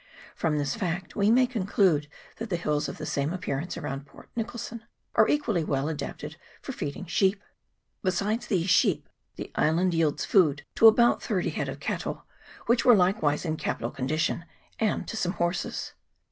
From this fact we may conclude that the hills of the same appearance around Port Nicholson are equally well CHAP. IV.] MANA. 113 adapted for feeding sheep. Besides these sheep the island yields food to about thirty head of cattle, which were likewise in capital condition, and to some horses.